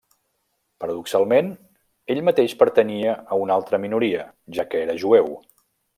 Paradoxalment, ell mateix pertanyia a una altra minoria, ja que era jueu.